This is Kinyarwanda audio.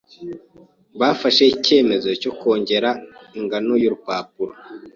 Bafashe icyemezo cyo kongera ingano y’impapuro